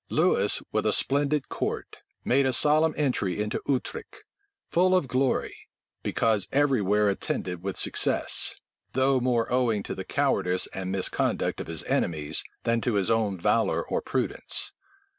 Lewis with a splendid court made a solemn entry into Utrecht, full of glory, because every where attended with success; though more owing to the cowardice and misconduct of his enemies, than to his own valor or prudence.